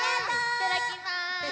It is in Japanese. いただきます！